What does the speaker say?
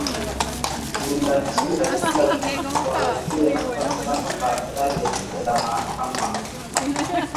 ikizingatia kila kitu kuanzia falsafa yake ya mahakama